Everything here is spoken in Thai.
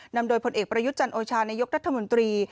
นำโดยผลเอกประยุทธ์จันโอชานายกรัฐมนตรี